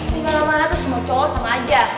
tinggal lama anak itu semua cowok sama aja